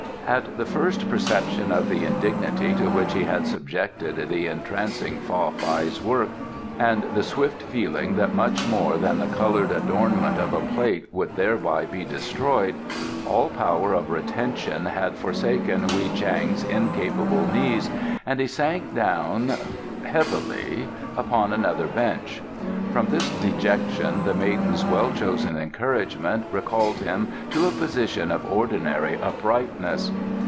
At the first perception of the indignity to which he had subjected the entrancing Fa Fai's work, and the swift feeling that much more than the coloured adornment of a plate would thereby be destroyed, all power of retention had forsaken Wei Chang's incapable knees and he sank down heavily upon another bench. From this dejection the maiden's well chosen encouragement recalled him to a position of ordinary uprightness.